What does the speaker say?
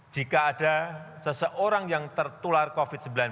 jika ada seseorang yang tertular covid sembilan belas